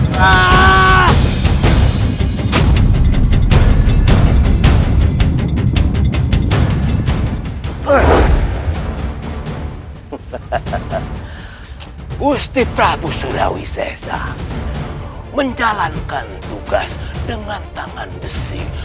hestiawastri menjalankan tugas dengan tangan besi